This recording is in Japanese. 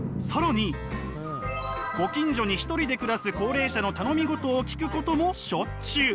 ご近所に一人で暮らす高齢者の頼みごとを聞くこともしょっちゅう。